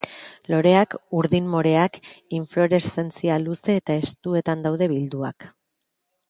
Loreak, urdin-moreak, infloreszentzia luze eta estuetan daude bilduak.